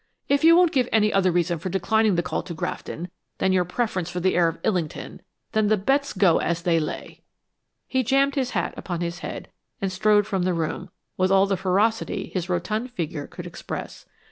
If you won't give any other reason for declining the call to Grafton, than your preference for the air of Illington, then the bets go as they lay!" He jammed his hat upon his head, and strode from the room with all the ferocity his rotund figure could express.